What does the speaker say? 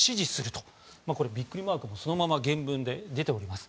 とこれ、ビックリマークもそのまま原文で出ています。